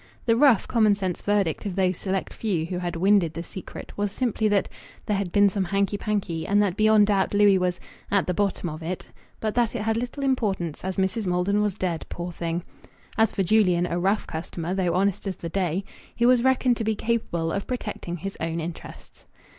The rough, commonsense verdict of those select few who had winded the secret was simply that "there had been some hanky panky," and that beyond doubt Louis was "at the bottom of it," but that it had little importance, as Mrs. Maldon was dead, poor thing. As for Julian, "a rough customer, though honest as the day," he was reckoned to be capable of protecting his own interests.